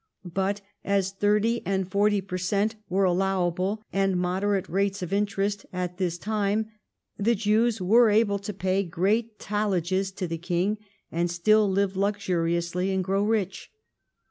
But as thirty and forty per cent were allowable and moderate rates of interest at this time, the Jews Avere able to pay great tallages to the king, and still live luxuriously and grow rich.